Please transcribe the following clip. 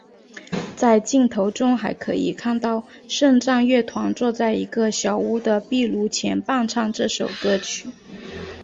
在镜头中还可以看到圣战乐团坐在一个小屋的壁炉前伴唱这首歌曲。